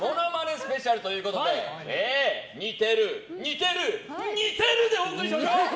スペシャルということで似てる、似てる、似てるでお送りします！